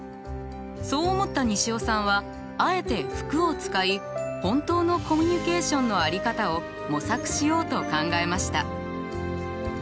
そう思った西尾さんはあえて服を使い本当のコミュニケーションの在り方を模索しようと考えました。